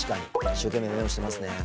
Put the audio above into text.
一生懸命メモしてますね。